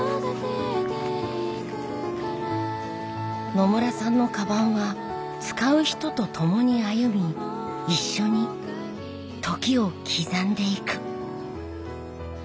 野村さんのかばんは使う人と共に歩み一緒に時を刻んでいく。